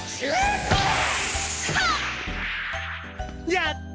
やった！